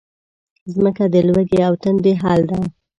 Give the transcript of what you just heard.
مځکه د لوږې او تندې حل ده.